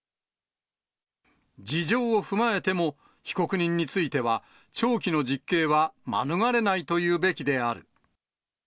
事情を踏まえても、被告人については、長期の実刑は免れないというべきである。